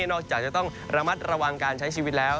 นอกจากจะต้องระมัดระวังการใช้ชีวิตแล้ว